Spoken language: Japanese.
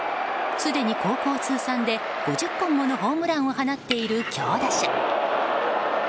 すでに高校通算で５０本ものホームランを放っている強打者。